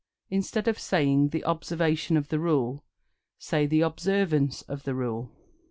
Instead of saying "The observation of the rule," say "The observance of the rule."